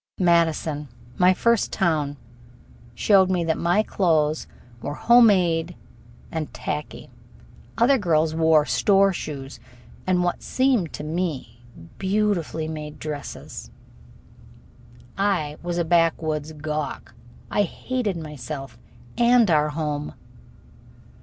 Madison, my first town, showed me that my clothes were homemade and tacky. Other girls wore store shoes and what seemed to me beautifully made dresses. I was a backwoods gawk. I hated myself and our home.